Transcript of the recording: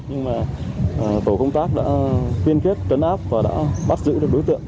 nhưng mà tổ công tác đã tiên kết tấn áp và đã bắt giữ được đối tượng